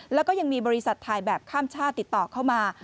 แล้วก็ยังมีบริษัทถ่ายแบบข้ามชาติติดต่อเข้ามา